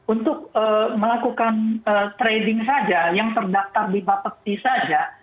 untuk melakukan trading saja yang terdaftar di bapepti saja